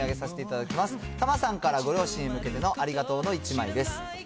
たまさんからご両親に向けてのありがとうの１枚です。